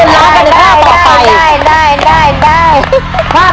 ไม่ได้ครับ